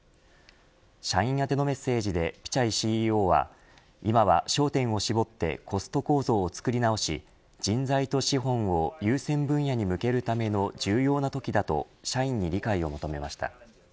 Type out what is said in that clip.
社員宛てのメッセージでピチャイＣＥＯは今は焦点を絞ってコスト構造を作り直し人材と資本を優先分野に向けるための重要なときだと社員に理解を求めました。